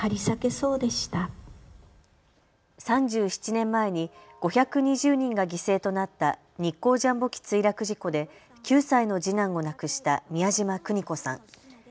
３７年前に５２０人が犠牲となった日航ジャンボ機墜落事故で９歳の次男を亡くした美谷島邦子さん。